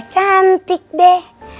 udah cantik deh